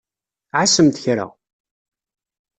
Ɛasemt kra!